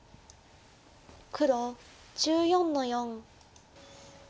黒１４の四。